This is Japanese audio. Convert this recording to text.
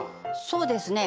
そうですね